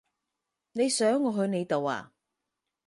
你想我去你度呀？